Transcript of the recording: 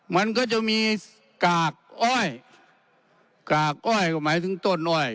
มันก็จะมีกากอ้อยกากอ้อยก็หมายถึงต้นอ้อย